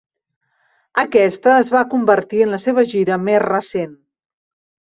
Aquesta es va convertir en la seva gira més recent.